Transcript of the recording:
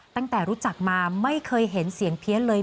ตั้งแต่รู้จักมาไม่เคยเห็นเสียงเพี้ยนเลย